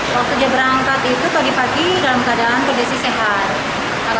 waktu dia berangkat itu pagi pagi dalam keadaan kondisi sehat